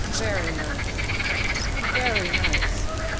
Very nice. Very nice...."